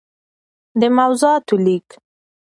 دموضوعاتو ليــک